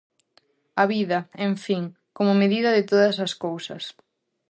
A vida, en fin, como medida de todas as cousas.